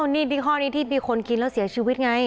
นี่ยี่ห้อนี้ที่มีคนกินแล้วเสียชีวิตไง